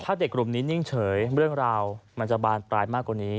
ถ้าเด็กกลุ่มนี้นิ่งเฉยเรื่องราวมันจะบานปลายมากกว่านี้